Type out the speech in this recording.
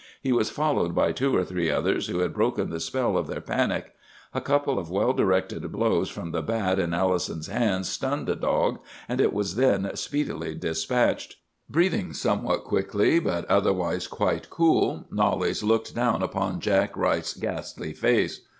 He was followed by two or three others who had broken the spell of their panic. A couple of well directed blows from the bat in Allison's hands stunned the dog, and it was then speedily despatched. "Breathing somewhat quickly, but otherwise quite cool, Knollys looked down upon Jack Wright's gastly face.